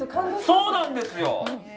そうなんですよ！